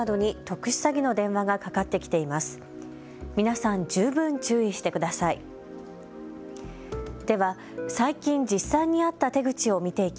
皆さん十分ご注意ください。